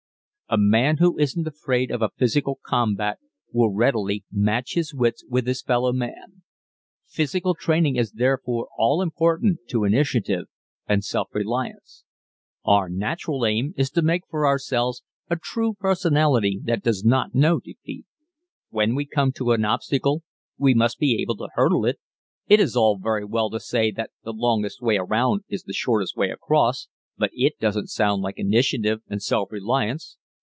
A man who isn't afraid of a physical combat will readily match his wits with his fellow man. Physical training is therefore all important to initiative and self reliance. Our natural aim is to make for ourselves a true personality that does not know defeat. When we come to an obstacle we must be able to hurdle it. It is all very well to say that the longest way around is the shortest way across, but it doesn't sound like initiative and self reliance.